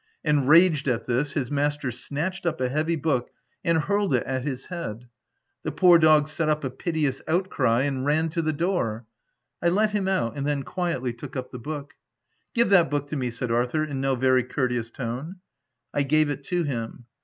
Enraged at this, his master snatched up a heavy book and hurled it at his head. The poor dog set up a piteous outcry and ran to the door. I let him out, and then quietly took up the book. u Give that book to me,'' said Arthur, in no very courteous tone. I gave it to him.